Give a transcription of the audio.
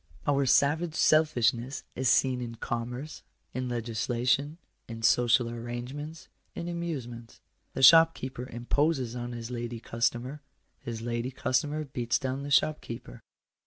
Our savage selfishness is seen in commerce, in legislation, in social arrange ments, in amusements. The shopkeeper imposes on his lady customer; his lady customer beats down the shopkeeper.